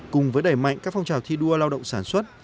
cùng với đẩy mạnh các phong trào thi đua lao động sản xuất